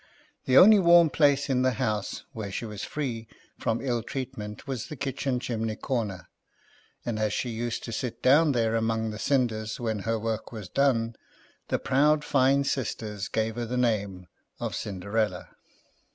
The only warm place in the house where she was free from ill treatment was the kitchen chimney corner ; and as she used to sit down there, among the cinders, when her work was done, the proud fine sisters gave her the name of Cinderella.